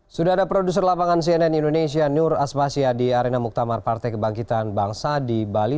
sudah ada produser lapangan cnn indonesia nur aspasya di arena muktamar partai kebangkitan bangsa di bali